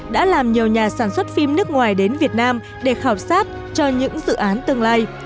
đã làm nhiều nhà sản xuất phim nước ngoài đến việt nam để khảo sát cho những dự án tương lai